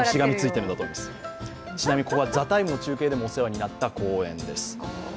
ちなみに「ＴＨＥＴＩＭＥ，」の中継でもお世話になった公園です。